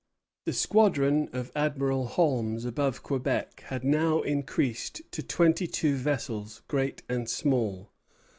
The squadron of Admiral Holmes above Quebec had now increased to twenty two vessels, great and small.